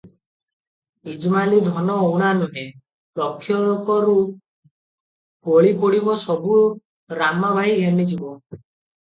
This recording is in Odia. ଇଜମାଲୀ ଧନ ଊଣା ନୁହେ, ଲକ୍ଷକରୁ ବଳି ପଡିବ, ସବୁ ରାମା ଭାଇ ଘେନି ଯିବ ।